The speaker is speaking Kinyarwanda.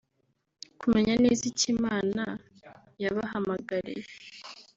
kumenya neza icyo Imana yabahamagariye